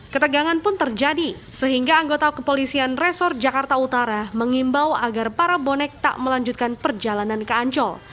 ketegangan pun terjadi sehingga anggota kepolisian resor jakarta utara mengimbau agar para bonek tak melanjutkan perjalanan ke ancol